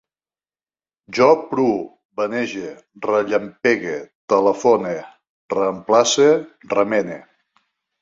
Jo pru, vanege, rellampegue, telefone, reemplace, remene